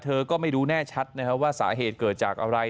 เธอก็ไม่รู้แน่ชัดนะครับว่าสาเหตุเกิดจากอะไร